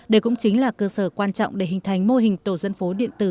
đây cũng chính là cơ sở quan trọng để hình thành mô hình tổ dân phố điện tử